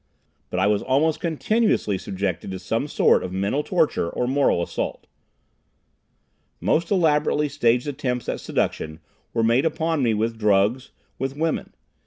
But I was almost continuously subjected to some form of mental torture or moral assault. Most elaborately staged attempts at seduction were made upon me with drugs, with women.